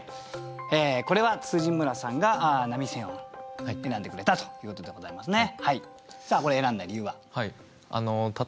これは村さんが並選を選んでくれたということでございますね。